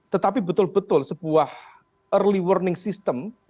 tetapi betul betul sebuah early warning system